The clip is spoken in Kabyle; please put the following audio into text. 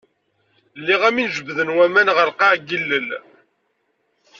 Lliɣ am win i jebden waman ɣer lqaɛ n yilel.